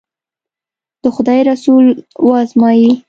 د خدای رسول و ازمایي.